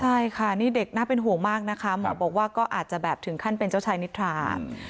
ใช่ค่ะนี่เด็กน่าเป็นห่วงมากนะคะหมอบอกว่าก็อาจจะแบบถึงขั้นเป็นเจ้าชายนิทรา